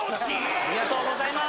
ありがとうございます。